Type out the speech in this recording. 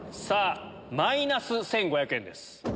さぁマイナス１５００円です。